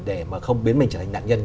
để mà không biến mình trở thành nạn nhân